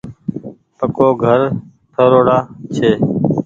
پڪو گھر ٺروڙآ ڇي۔